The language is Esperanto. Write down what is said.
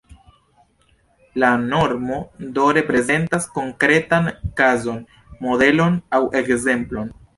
La normo, do, reprezentas konkretan kazon, modelon aŭ ekzemplon.